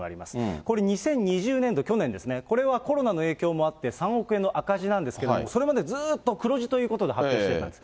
これ２０２０年度、去年ですね、これはコロナの影響もあって、３億円の赤字なんですけれども、それまでずっと黒字ということで発表してたんです。